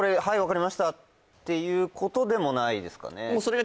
「はい分かりました」っていうことでもないですかね